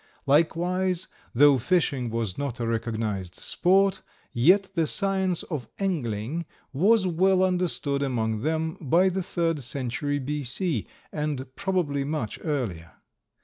Likewise, though fishing was not a recognized sport, yet the science of angling was well understood among them by the third century B. C., and probably much earlier.